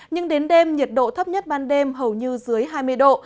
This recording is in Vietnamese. nhưng đến đêm nhiệt độ thấp nhất ban đêm hầu như dưới hai mươi độ